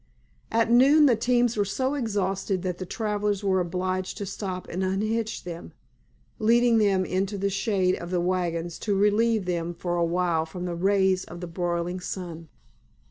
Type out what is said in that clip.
At noon the teams were so exhausted that the travelers were obliged to stop and unhitch them, leading them into the shade of the wagons to relieve them for a while from the rays of the broiling sun.